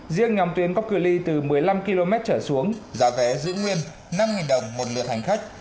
riêng nhóm tuyến có cửa ly từ một mươi năm km trở xuống giá vé giữ nguyên năm đồng một lượt hành khách